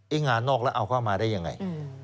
ไอ้งานอกเอาเข้ามาได้ยังไง